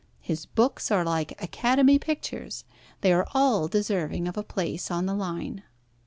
His books are like Academy pictures. They are all deserving of a place on the line."